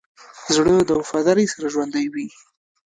زړه د وفادارۍ سره ژوندی وي.